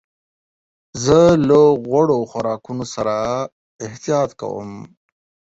زه له غوړو خوراکونو سره احتياط کوم.